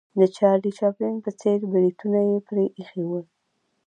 د چارلي چاپلین په څېر بریتونه یې پرې ایښې ول.